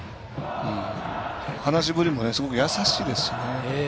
話ぶりもすごく優しいですよね。